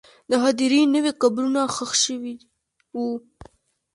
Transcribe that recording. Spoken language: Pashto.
د هدیرې نوې قبرونه ښخ شوي وو.